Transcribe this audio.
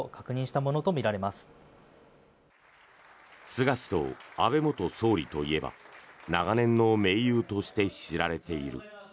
菅氏と安倍元総理といえば長年の盟友として知られている。